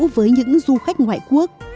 với những du khách ngoại quốc